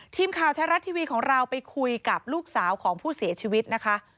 ทีมข่าวไทยรัฐทีวีของเราไปคุยกับลูกสาวของผู้เสียชีวิตนะคะ